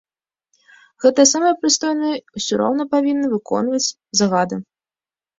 Гэтыя самыя прыстойныя ўсё роўна павінны выконваць загады.